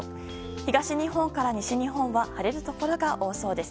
東日本から西日本は晴れるところが多そうです。